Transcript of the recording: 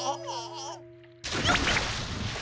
よっ。